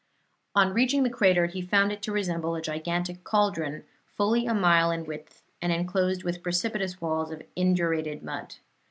On reaching the crater he found it to resemble a gigantic cauldron, fully a mile in width, and enclosed with precipitous walls of indurated mud.